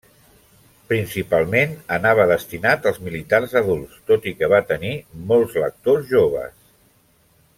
Principalment anava destinat als militars adults, tot i que va tenir molts lectors joves.